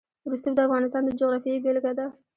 رسوب د افغانستان د جغرافیې بېلګه ده.